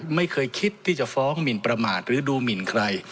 ไม่เคยคิดที่จะฟ้องหมินประมาทหรือดูหมินใคร